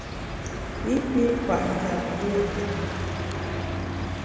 I pi kwet njap yùe ngap.